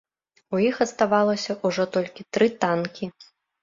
У іх аставалася ўжо толькі тры танкі.